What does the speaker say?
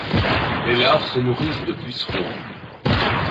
Les larves se nourrissent de pucerons.